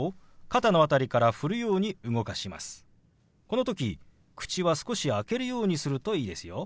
この時口は少し開けるようにするといいですよ。